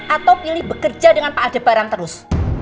atau pilih bekerja dengan pak adebaran terus